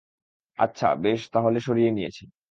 আচ্ছা, বেশ, তা হলে সরিয়ে নিয়েছে।